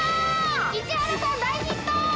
市原さん大ヒット！